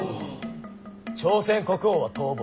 朝鮮国王は逃亡。